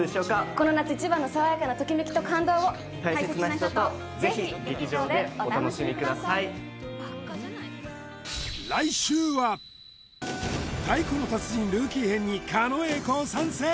この夏一番の爽やかなときめきと感動を大切な人とぜひ劇場でお楽しみくださいに狩野英孝参戦！